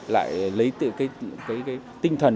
lấy cái tinh thần